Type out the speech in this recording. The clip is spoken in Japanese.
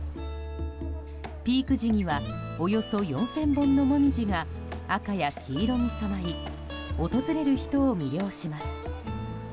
ピーク時にはおよそ４０００本のモミジが赤や黄色に染まり訪れる人を魅了します。